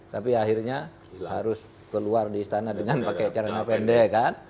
tapi akhirnya harus keluar di istana dengan pakai cara pendek kan